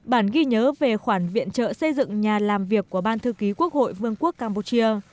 bản ghi nhớ về khoản viện trợ xây dựng nhà làm việc của ban thư ký quốc hội vương quốc campuchia